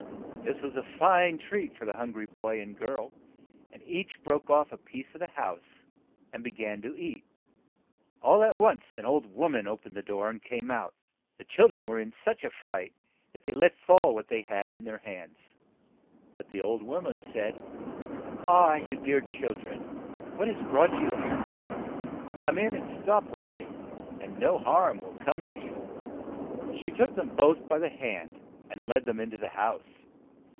This was a fine treat for the hun gry boy and girl, and each broke off a piece of the house, and be gan to eat. All at once an old wom an o pened the door and came out. The chil dren were in such a fright that they let fall what they had in their hands, but the old wom an said, "Ah, you dear chil dren, what has brought you here? Come in and stop with me, and no harm shall come to you." She took THE OLD WITCH 8 HANSEL AND GRETHEL them both by the hand, and led them in to the house.